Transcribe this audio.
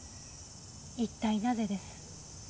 一体なぜです？